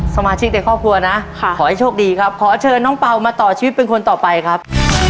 สมาชิกในครอบครัวนะขอให้โชคดีครับขอเชิญน้องเปล่ามาต่อชีวิตเป็นคนต่อไปครับ